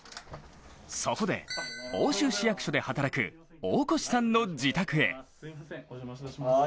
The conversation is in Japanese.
そこで奥州市役所で働く大越さんの自宅へ。